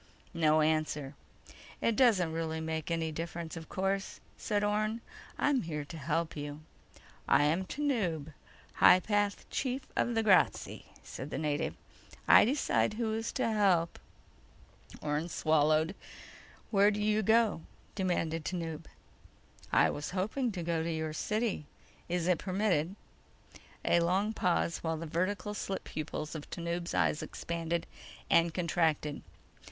No answer. "It doesn't really make any difference, of course," said Orne. "I'm here to help you." "I am Tanub, High Path Chief of the Grazzi," said the native. "I decide who is to help." Orne swallowed. "Where do you go?" demanded Tanub. "I was hoping to go to your city. Is it permitted?" A long pause while the vertical slit pupils of Tanub's eyes expanded and contracted.